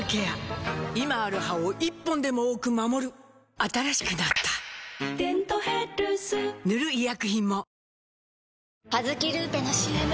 今ある歯を１本でも多く守る新しくなった「デントヘルス」塗る医薬品も